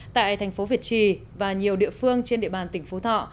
tại thành phố việt trì và nhiều địa phương trên địa bàn tỉnh phú thọ